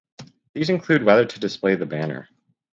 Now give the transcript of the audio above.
These include whether to display the banner